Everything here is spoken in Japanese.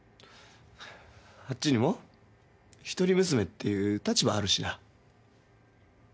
あっちにも一人娘っていう立場あるしな。